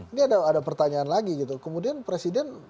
ini ada pertanyaan lagi gitu kemudian presiden